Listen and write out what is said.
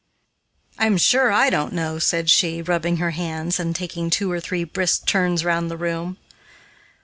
"I am sure I don't know," said she, rubbing her hands and taking two or three brisk turns round the room.